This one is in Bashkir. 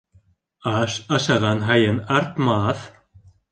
Аш ашаған һайын артмаҫ.